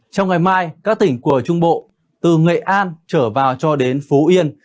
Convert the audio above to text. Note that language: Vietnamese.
trong ngày mai các tỉnh của trung bộ từ nghệ an trở vào cho đến phú yên